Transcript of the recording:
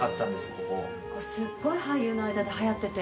ここすっごい俳優の間ではやってて。